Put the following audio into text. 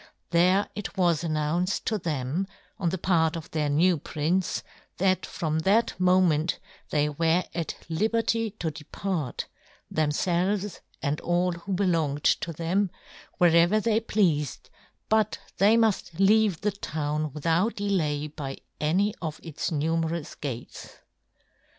There it was announced to them, on the part of their new prince, that from that mo ment they were at Hberty to depart, themfelves, and all who belonged to them, wherever they pleafed, but that they muft leave the town with out delay by any one of its nume rous gates.